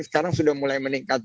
sekarang sudah mulai meningkat